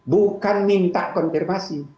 bukan minta konfirmasi